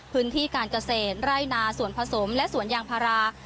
พื้นที่การเกษตรไร่นาส่วนผสมและสวนยางพารา